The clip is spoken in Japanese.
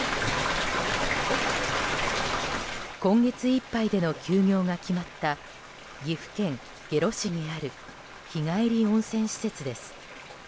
今月いっぱいでの休業が決まった岐阜県下呂市にある日帰り温泉施設です。